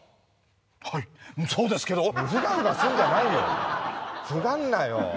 はいそうですけどフガフガするんじゃないよフガるなよ